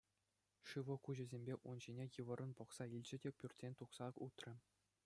Шывлӑ куҫӗсемпе ун ҫине йывӑррӑн пӑхса илчӗ те пӱртрен тухса утрӗ.